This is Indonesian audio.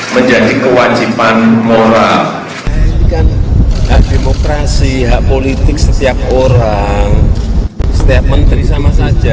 menjadi kewajiban moral hak demokrasi hak politik setiap orang setiap menteri sama saja